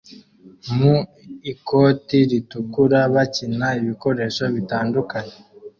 mu ikoti ritukura bakina ibikoresho bitandukanye